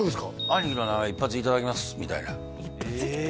「アニキの名前一発いただきます」みたいなええ！